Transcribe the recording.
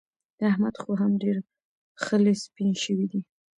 د احمد خو هم ډېر خلي سپين شوي دي.